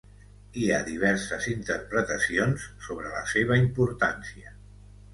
Hi ha diverses interpretacions sobre la seva importància.